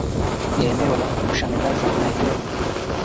Ni eneo la kushangaza na eneo muhimu